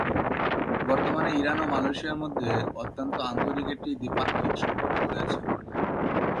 বর্তমানে ইরান ও মালয়েশিয়ার মধ্যে অত্যন্ত আন্তরিক একটি দ্বিপাক্ষিক সম্পর্ক রয়েছে।